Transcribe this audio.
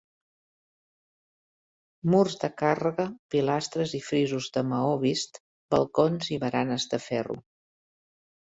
Murs de càrrega, pilastres i frisos de maó vist, balcons i baranes de ferro.